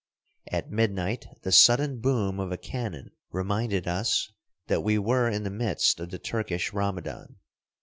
At midnight the sudden boom of a cannon reminded us that we were in the midst of the Turkish Ramadan.